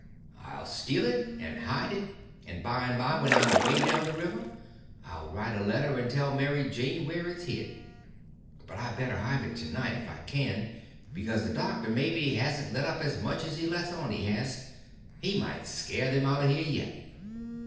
I'll steal it and hide it; and by and by, when I'm away down the river, I'll write a letter and tell Mary Jane where it's hid. But I better hive it tonight if I can, because the doctor maybe hasn't let up as much as he lets on he has; he might scare them out of here yet.